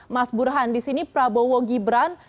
mas burhan di sini prabowo gibran